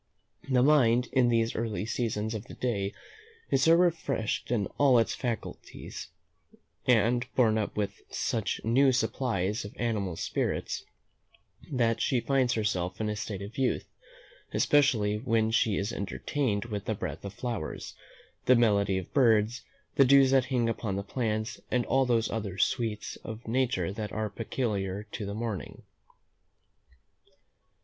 The mind, in these early seasons of the day, is so refreshed in all its faculties, and borne up with such new supplies of animal spirits, that she finds herself in a state of youth, especially when she is entertained with the breath of flowers, the melody of birds, the dews that hang upon the plants, and all those other sweets of nature that are peculiar to the morning.